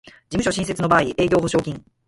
事務所新設の場合の営業保証金